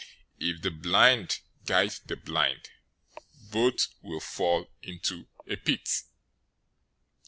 If the blind guide the blind, both will fall into a pit."